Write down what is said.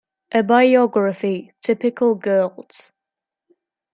A biography - Typical Girls?